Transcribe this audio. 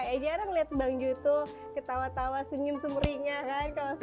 ya jarang liat bang jo itu ketawa tawa senyum sumringan kan